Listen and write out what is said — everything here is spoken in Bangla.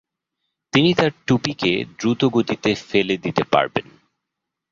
তিনি তার টুপিকে দ্রুতগতিতে ফেলে দিতে পারবেন।